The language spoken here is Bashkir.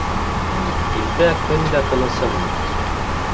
Илдә-көндә тынысым.